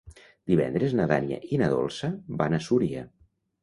Divendres na Damià i na Dolça van a Súria.